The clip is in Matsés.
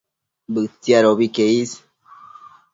Bëtsiadobi que is